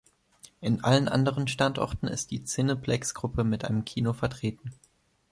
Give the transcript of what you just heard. An allen anderen Standorten ist die Cineplex-Gruppe mit einem Kino vertreten.